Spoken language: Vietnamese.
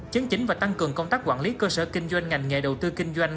chấn chính và tăng cường công tác quản lý cơ sở kinh doanh ngành nghề đầu tư kinh doanh